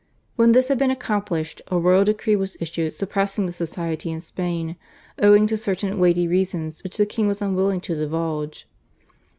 When this had been accomplished a royal decree was issued suppressing the Society in Spain owing to certain weighty reasons which the king was unwilling to divulge.